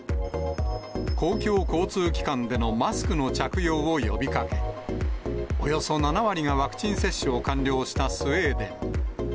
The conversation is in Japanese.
公共交通機関でのマスクの着用を呼びかけ、およそ７割がワクチン接種を完了したスウェーデン。